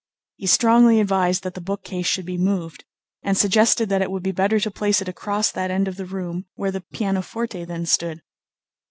He strongly advised that the bookcase should be moved, and suggested that it would be better to place it across that end of the room where the pianoforte then stood.